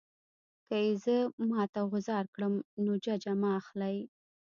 که یې زه مات او غوځار کړم نو ججه مه اخلئ.